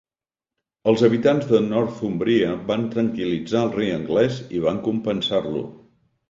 Els habitants de Northumbria van tranquil·litzar el rei anglès i van compensar-lo.